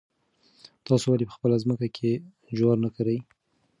تاسو ولې په خپله ځمکه کې جوار نه کرئ؟